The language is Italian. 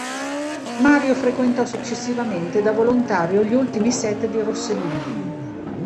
Mario frequentò successivamente da volontario gli ultimi set di Rossellini.